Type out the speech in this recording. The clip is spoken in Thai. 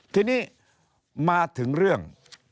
ทีนี้มาถึงเรื่อง